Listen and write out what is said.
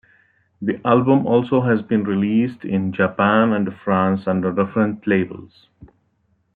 The album also has been released in Japan and France under different labels.